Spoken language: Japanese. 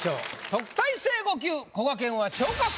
特待生５級こがけんは。